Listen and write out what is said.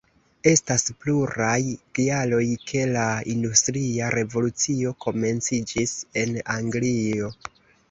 Estas pluraj kialoj, ke la industria revolucio komenciĝis en Anglio.